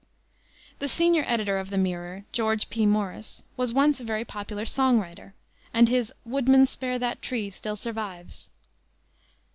The senior editor of the Mirror, George P. Morris, was once a very popular song writer, and his Woodman, Spare that Tree, still survives.